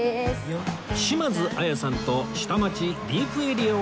島津亜矢さんと下町・ディープエリアを巡る旅